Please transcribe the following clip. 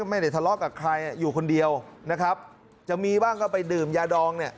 ไม่ได้ทะเลาะกับใครอยู่คนเดียวนะครับจะมีบ้างก็ไปดื่มยาดองเนี่ย